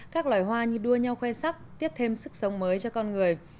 các loài hoa như đua nhau khoe sắc tiếp thêm sức sống mới cho con người